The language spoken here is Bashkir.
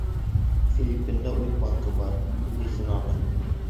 Филиппинда үҙ банкы бар, үҙе сенатор.